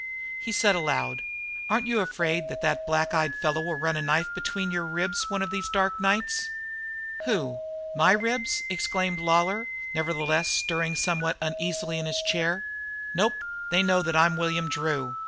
He said aloud: "Aren't you afraid that that black eyed fellow will run a knife between your ribs one of these dark nights?" "Who? My ribs?" exclaimed Lawlor, nevertheless stirring somewhat uneasily in his chair. "Nope, they know that I'm William Drew.